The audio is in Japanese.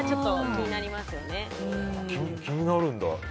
気になるんだ。